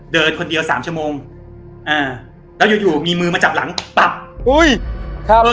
เดินคนเดียว๓ชั่วโมงแล้วอยู่มีมือมาจับหลังอุ๊ยครับ